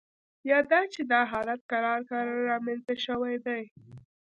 یا دا چې دا حالت کرار کرار رامینځته شوی دی